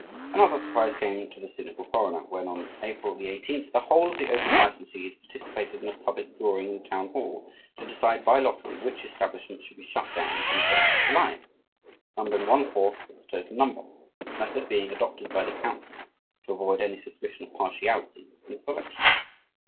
Another surprise came to the cynical foreigner, when, on April 18th, the whole of the opium licensees participated in a public drawing in the town hall, to decide by lottery which establishments should be shut down on the 1st of July, numbering one fourth of the total number, this method being adopted by the council to avoid any suspicion of partiality in the selection.